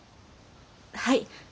はい。